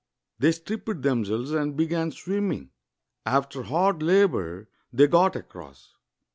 They stripped themselves and began swimming. After hard labor, they got across.